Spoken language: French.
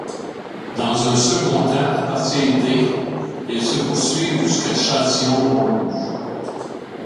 Dans un second temps, à partir d', ils se poursuivrent jusqu'à Châtillon - Montrouge.